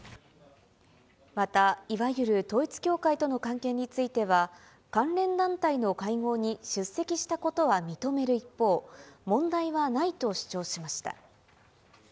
また、いわゆる統一教会との関係については、関連団体の会合に出席したことは認める一方、問題はないと主張しました。